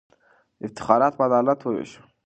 افتخارات په عدالت ووېشه.